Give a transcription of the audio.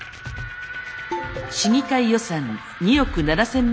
市議会予算２億７，０００万の削減。